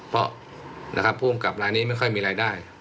เพราะนะครับผู้กำกับรายนี้ไม่ค่อยมีรายได้